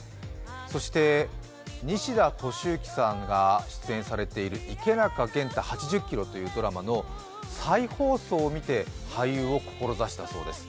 そして西田敏行さんが出演されている「池中玄太８０ｋｇ」というドラマの再放送を見て俳優を志したそうです。